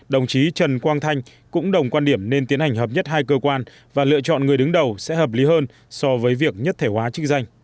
đồng chí trần quang thanh cũng đồng quan điểm nên tiến hành hợp nhất hai cơ quan và lựa chọn người đứng đầu sẽ hợp lý hơn so với việc nhất thể hóa chức danh